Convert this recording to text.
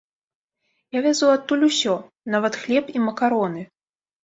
Я вязу адтуль усё, нават хлеб і макароны.